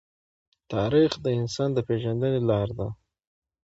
تاریخ د انسان د پېژندنې لار دی.